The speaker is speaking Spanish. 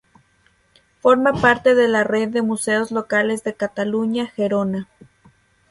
Forma parte de la Red de Museos Locales de Cataluña-Gerona.